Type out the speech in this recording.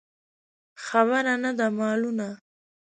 خبره نه ده مالونه.